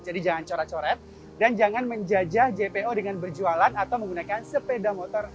jangan coret coret dan jangan menjajah jpo dengan berjualan atau menggunakan sepeda motor